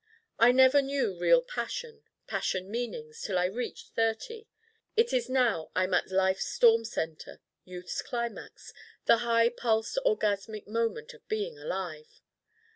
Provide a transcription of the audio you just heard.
I never knew real Passion, Passion meanings, till I reached thirty. It is now I'm at life's storm center, youth's climax, the high pulsed orgasmic moment of being alive.